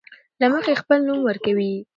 له مخې خپل نوم ورکوي.